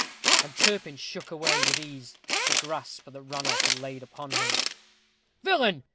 And Turpin shook away, with ease, the grasp that Ranulph had laid upon him. "Villain!